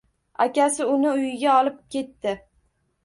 Akasi uni uyiga olib ketdi.